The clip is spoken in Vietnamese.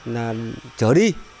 là chở đi